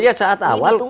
ya ya saat awal